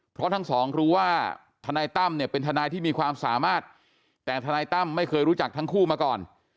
เพราะทั้งสองรู้ว่าทนายตั้มเนี่ยเป็นทนายที่มีความสามารถแต่ทนายตั้มไม่เคยรู้จักทั้งคู่มาก่อน